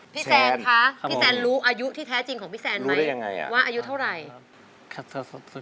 แซนคะพี่แซนรู้อายุที่แท้จริงของพี่แซนไหมว่าอายุเท่าไหร่